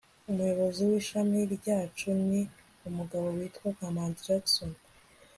umuyobozi w'ishami ryacu ni umugabo witwa kamanzi jackson